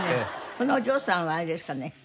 このお嬢さんはあれですかね？